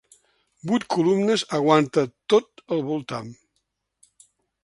Vuit columnes aguanten tot el voltam.